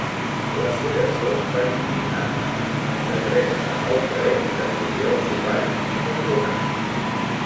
Les fulles són paripinnades, amb de tres a nou parells de folíols ovats i mucronats.